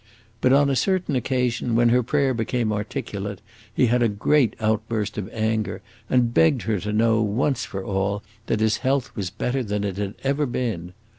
But on a certain occasion, when her prayer became articulate, he had a great outburst of anger and begged her to know, once for all, that his health was better than it had ever been.